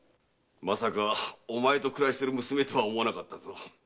まさかお前と暮らしている娘とは思わなかったぞ。